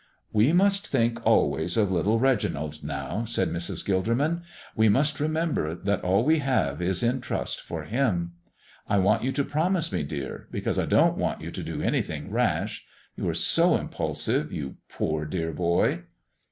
"We must think always of little Reginald now," said Mrs. Gilderman; "we must remember that all we have is in trust for him. I want you to promise me, dear, because I don't want you to do anything rash. You are so impulsive you poor, dear boy."